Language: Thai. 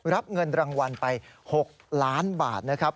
รับเงินรางวัลไป๖ล้านบาทนะครับ